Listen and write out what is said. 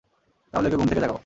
তাহলে, ওকে ঘুম থেকে জাগাও।